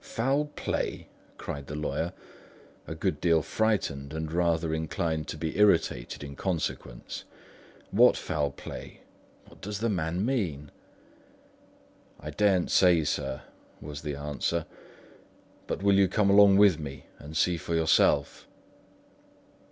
"Foul play!" cried the lawyer, a good deal frightened and rather inclined to be irritated in consequence. "What foul play! What does the man mean?" "I daren't say, sir," was the answer; "but will you come along with me and see for yourself?"